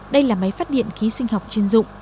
đây là máy phát điện khí sinh học chuyên dụng